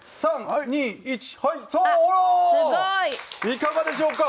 いかがでしょうか？